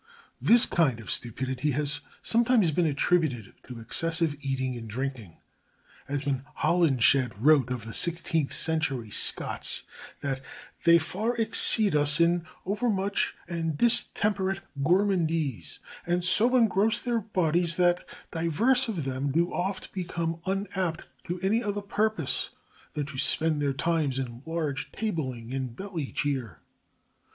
This kind of stupidity has sometimes been attributed to excessive eating and drinking, as when Holinshed wrote of the sixteenth century Scots that "they far exceed us in overmuch and distemperate gormandise, and so engross their bodies that diverse of them do oft become unapt to any other purpose than to spend their times in large tabling and belly cheer."